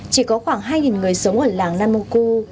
chỉ có khoảng hai người sống ở làng namoku